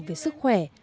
về sức khỏe